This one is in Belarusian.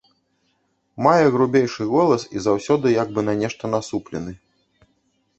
Мае грубейшы голас і заўсёды як бы на нешта насуплены.